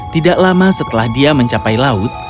tidak lama setelah dia mencapai laut